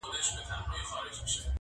چا حاصلي مرتبې کړې چاته نوم د سړي پاته,